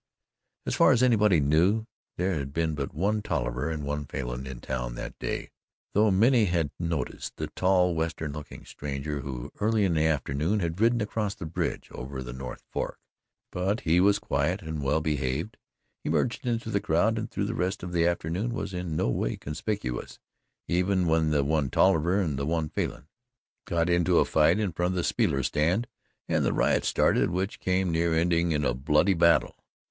As far as anybody knew, there had been but one Tolliver and one Falin in town that day, though many had noticed the tall Western looking stranger who, early in the afternoon, had ridden across the bridge over the North Fork, but he was quiet and well behaved, he merged into the crowd and through the rest of the afternoon was in no way conspicuous, even when the one Tolliver and the one Falin got into a fight in front of the speaker's stand and the riot started which came near ending in a bloody battle.